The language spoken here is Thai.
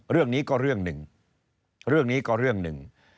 เรื่องนี้ก็เรื่องหนึ่งเรื่องนี้ก็เรื่องหนึ่ง